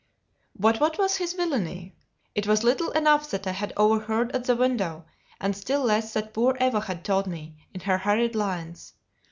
But what was his villany? It was little enough that I had overheard at the window, and still less that poor Eva had told me in her hurried lines.